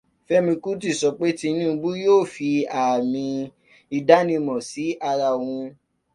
Fẹ́mi Kútì sọ pé Tinúbú yóò fi ààmì ìdánimọ̀ sí ara wọn